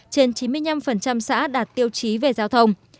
trên chín mươi năm xã đạt tiêu chí về giao thông